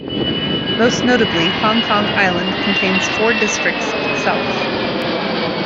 Most notably, Hong Kong Island contains four districts itself.